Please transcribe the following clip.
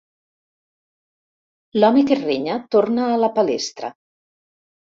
L'home que renya torna a la palestra.